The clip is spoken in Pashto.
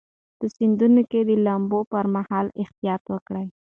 په سیندونو کې د لامبو پر مهال احتیاط وکړئ.